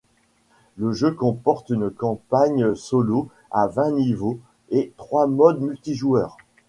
Le jeu comporte une campagne solo à vingt niveaux et trois modes multijoueur.